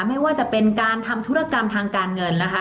ไม่ว่าจะเป็นการทำธุรกรรมทางการเงินนะคะ